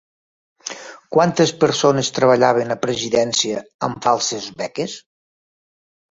Quantes persones treballaven a Presidència amb 'falses beques'?